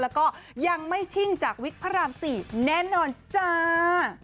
แล้วก็ยังไม่ชิ่งจากวิกพระราม๔แน่นอนจ้า